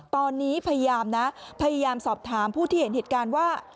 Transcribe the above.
ตอนนี้พยายามนะพยายามสอบถามผู้ที่เห็นเหตุการณ์ว่า